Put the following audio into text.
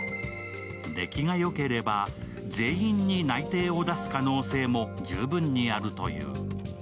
出来がよければ、全員に内定を出す可能性も十分にあるという。